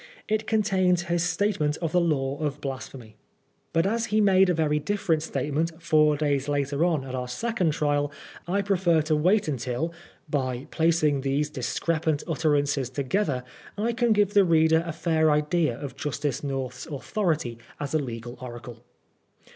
It contains his statement of the Law of Blasphemy. But as he made a very different statement four days later on at our second trial, I prefer to wait until, by placing these discrepant utterances together, I can give the reader a fair idea of Justice North's authority as a legal oracle.